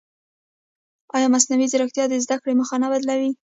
ایا مصنوعي ځیرکتیا د زده کړې موخه نه بدلوي؟